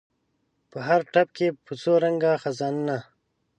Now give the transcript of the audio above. په هر ټپ کې په څو رنګه خزانونه